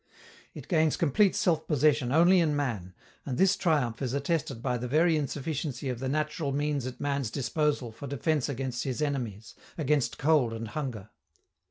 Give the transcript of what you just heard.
It gains complete self possession only in man, and this triumph is attested by the very insufficiency of the natural means at man's disposal for defense against his enemies, against cold and hunger.